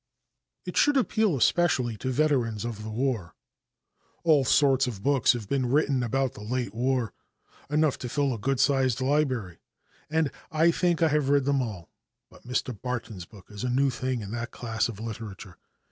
"It Should Appeal Especially to Veterans of the War." All sorts of books have been written about the late war, enough to fill a good sized library and, I think, I have read them all, but Mr. Barton's book is a new thing in that class of literature.